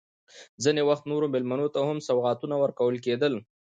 ځینې وخت نورو مېلمنو ته هم سوغاتونه ورکول کېدل.